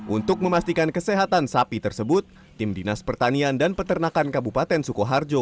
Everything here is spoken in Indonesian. untuk memastikan kesehatan sapi tersebut tim dinas pertanian dan peternakan kabupaten sukoharjo